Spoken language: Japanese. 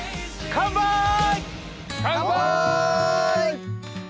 カンパイ！